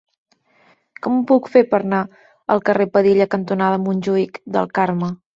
Com ho puc fer per anar al carrer Padilla cantonada Montjuïc del Carme?